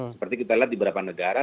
seperti kita lihat di beberapa negara